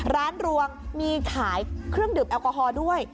รวงมีขายเครื่องดื่มแอลกอฮอล์ด้วย